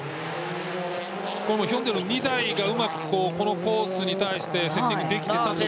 ヒョンデの２台がうまくこのコースに対してセッティングができていると。